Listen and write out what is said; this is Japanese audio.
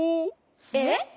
えっ？